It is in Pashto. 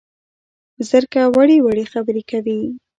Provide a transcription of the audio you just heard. زرکه وړې وړې خبرې کوي